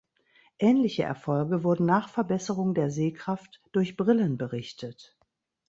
Ähnliche Erfolge wurden nach Verbesserung der Sehkraft durch Brillen berichtet.